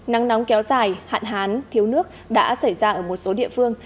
nắng nóng kéo dài hạn hán thiếu nước đã xảy ra ở một số địa phương